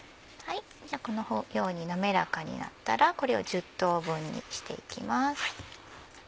このように滑らかになったらこれを１０等分にしていきます。